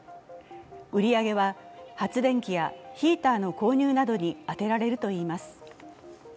売り上げは発電機やヒーターの購入などに充てられるといいます。